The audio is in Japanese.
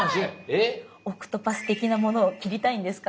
「海蛸子」的なものを切りたいんですか？